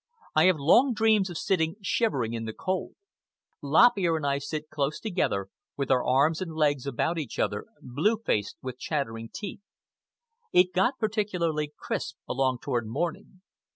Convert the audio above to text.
I have long dreams of sitting shivering in the cold. Lop Ear and I sit close together, with our arms and legs about each other, blue faced and with chattering teeth. It got particularly crisp along toward morning.